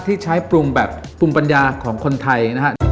ที่ใช้ปรุงแบบโปรมปัญญาชักของคนไทย